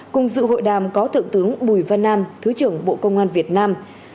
cùng dự hội đàm có thượng tướng bùi văn nam thứ trưởng bộ công an việt nam